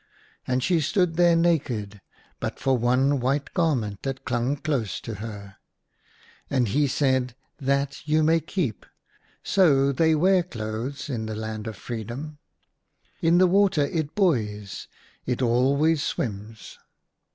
And she stood there naked, but for one white garment that clung close to her. And he said, " That you may keep. So they wear clothes in the Land of Freedom, In the water it buoys ; it always swims."